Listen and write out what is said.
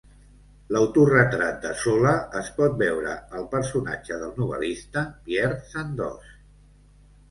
L'autoretrat de Zola es pot veure al personatge del novel·lista Pierre Sandoz.